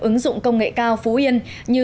ứng dụng công nghệ cao phú yên như